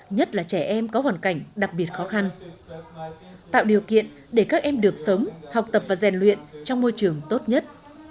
nhất là trẻ em có hoàn cảnh đặc biệt khó khăn tạo điều kiện để các em được sống học tập và rèn luyện trong môi trường tốt nhất